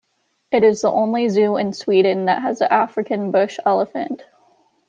It is the only zoo in Sweden that has African bush elephant.